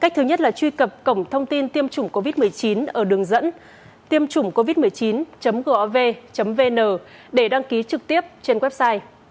cách thứ nhất là truy cập cổng thông tin tiêm chủng covid một mươi chín ở đường dẫn tiêm chủng covid một mươi chín gov vn để đăng ký trực tiếp trên website